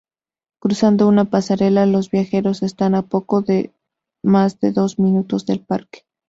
Cruzando una pasarela los viajeros están a poco más de dos minutos del parque.